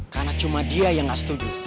karena cuma dia yang nggak setuju